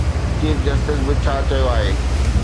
Chief justice به ڇا چيو آهي؟